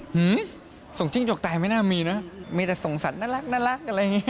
หื้อส่งจิ้งจกตายไม่น่ามีเนอะมีแต่ส่งสันน่ารักนั่งงี้